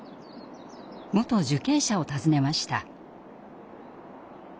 元受刑者を訪ねました。